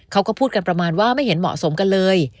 เขาก็พูดกันประมาณว่าไม่เห็นเหมาะสมกันเลย